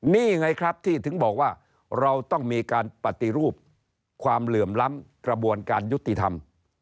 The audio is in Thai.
นี่ไงครับที่ถึงบอกว่าเราต้องมีการปฏิรูปความเหลื่อมล้ำกระบวนการยุติธรรม